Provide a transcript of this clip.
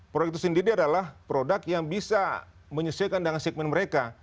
produk itu sendiri adalah produk yang bisa menyesuaikan dengan segmen mereka